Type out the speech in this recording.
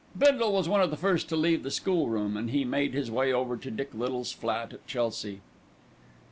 Bindle was one of the first to leave the School room, and he made his way over to Dick Little's flat at Chelsea.